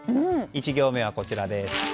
１行目はこちらです。